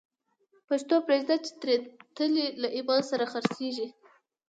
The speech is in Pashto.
پښتو پریږده چی تری تللی، له ایمان سره خرڅیږی